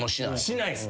しないっす。